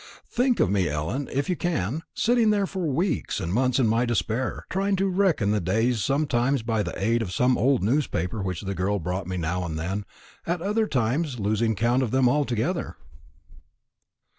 Think of me, Ellen, if you can, sitting there for weeks and months in my despair, trying to reckon the days sometimes by the aid of some old newspaper which the girl brought me now and then, at other times losing count of them altogether."